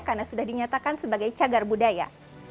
karena sudah dinyatakan sebagai cagar budaya